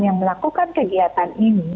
yang melakukan kegiatan ini